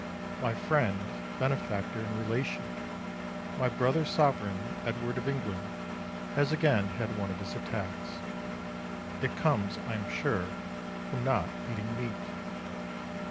My friend, benefactor and relation, my brother Sovereign, Edward of England, has again had one of his attacks. It comes, I am sure, from not eating meat.